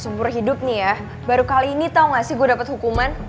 seumur hidup nih ya baru kali ini tau gak sih gue dapat hukuman